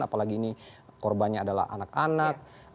apalagi ini korbannya adalah anak anak